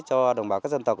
cho đồng bào các dân tộc